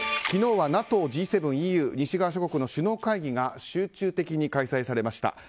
昨日はＮＡＴＯ、Ｇ７、ＥＵ西側諸国の首脳会議が集中的に開催されました。